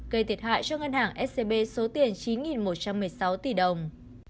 gây thiệt hại cho ngân hàng scb số tiền chín một trăm một mươi sáu tỷ đồng